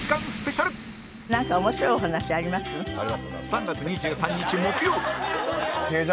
３月２３日木曜